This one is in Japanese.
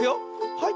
はい。